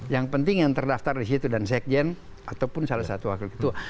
yang penting yang terdaftar di situ dan sekjen ataupun salah satu wakil ketua